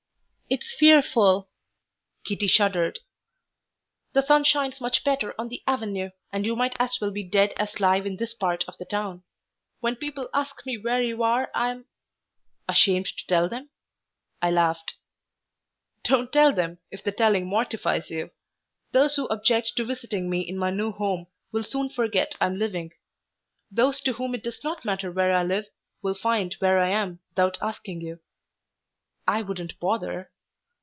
"It's fearful!" Kitty shuddered. "The sun shines much better on the Avenue, and you might as well be dead as live in this part of the town. When people ask me where you are I'm " "Ashamed to tell them?" I laughed. "Don't tell them, if the telling mortifies you. Those who object to visiting me in my new home will soon forget I'm living. Those to whom it does not matter where I live will find where I am without asking you. I wouldn't bother."